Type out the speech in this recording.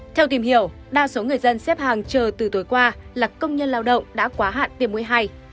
theo tìm hiểu đa số người dân xếp hàng chờ từ tối qua là công nhân lao động đã quá hạn tiềm mũi hay